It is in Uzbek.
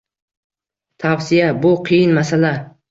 Tavsiya. Bu qiyin masala.